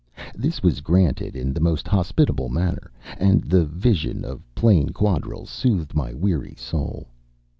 This was granted in the most hospitable manner, and the vision of plain quadrilles soothed my weary soul.